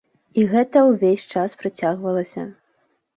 І гэта ўвесь час працягвалася.